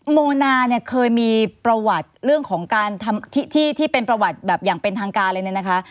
โมนาเนี่ยเคยมีประวัติเรื่องของการทำที่เป็นประวัติแบบอย่างเป็นทางการเลยเนี่ยนะคะ